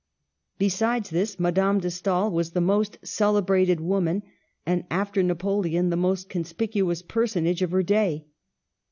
Besides this, Madame de Stael was the most celebrated woman, and, after Napoleon, the most conspicuous personage of , her day.